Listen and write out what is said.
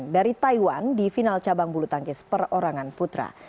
dari taiwan di final cabang bulu tangkis perorangan putra